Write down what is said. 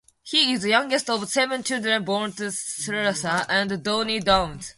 He is youngest of seven children born to Theresa and Donnie Downs.